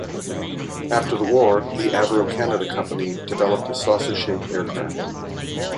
After the war, the Avro Canada company developed a saucer-shaped aircraft.